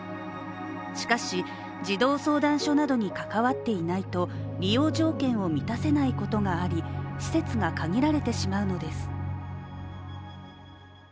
しかし、児童相談所などに関わっていないと、利用条件を満たせないことがあり施設が限られてしまうのです。